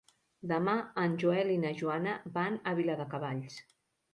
Demà en Joel i na Joana van a Viladecavalls.